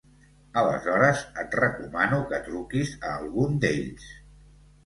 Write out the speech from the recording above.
Aleshores et recomano que truquis a algun d'ells.